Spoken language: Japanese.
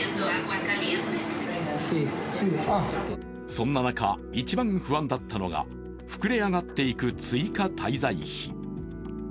そんな中、一番不安だったのが膨れ上がっていく追加滞在費。